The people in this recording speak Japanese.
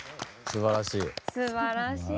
すばらしい。